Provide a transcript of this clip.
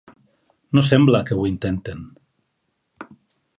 No sembla que ho intenten.